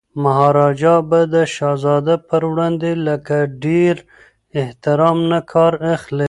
مهاراجا به د شهزاده پر وړاندي له ډیر احترام نه کار اخلي.